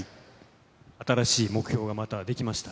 新しい目標がまた出来ました。